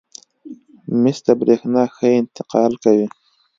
مسو د برېښنا ښه انتقال کوي.